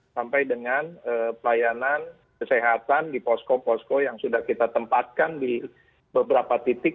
sampai dengan pelayanan kesehatan di posko posko yang sudah kita tempatkan di beberapa titik